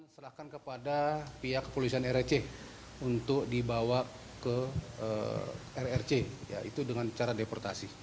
serahkan kepada pihak kepolisian rrc untuk dibawa ke rrc dengan cara deportasi